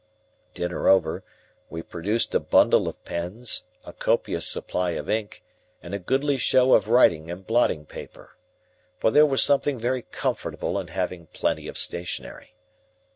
Dinner over, we produced a bundle of pens, a copious supply of ink, and a goodly show of writing and blotting paper. For there was something very comfortable in having plenty of stationery.